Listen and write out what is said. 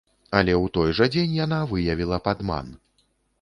Але ў той жа дзень яна выявіла падман.